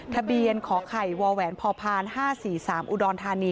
ทะเบียนขอไข่วแหวนพพ๕๔๓อุดรธานี